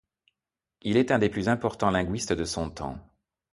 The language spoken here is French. Il est un des plus importants linguistes de son temps.